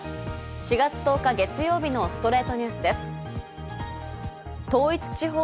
４月１０日、月曜日の『ストレイトニュース』です。